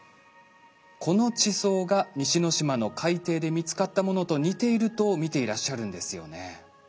この地層が西之島の海底で見つかったものと似ていると見ていらっしゃるんですよね。